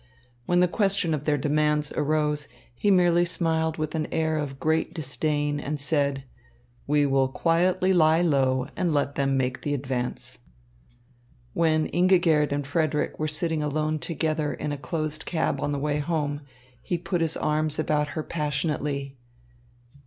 When the question of their demands arose, he merely smiled with an air of great disdain and said: "We will quietly lie low and let them make the advance." When Ingigerd and Frederick were sitting alone together in a closed cab on the way home, he put his arms about her passionately.